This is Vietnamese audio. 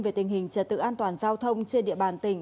về tình hình trật tự an toàn giao thông trên địa bàn tỉnh